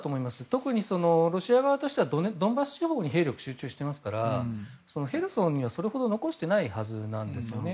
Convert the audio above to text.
特にロシア側としてはドンバス地方に兵力が集中していますからヘルソンには、それほど残していないはずなんですね。